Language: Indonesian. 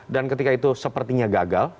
dan ketika itu sepertinya gagal